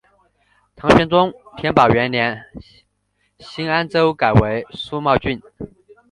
唐玄宗天宝元年新安州改为苏茂郡。